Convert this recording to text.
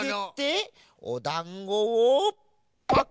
おだんごをパクリ！